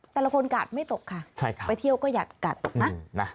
แต่ละคนกาดไม่ตกค่ะไปเที่ยวก็อย่ากาดตกนะ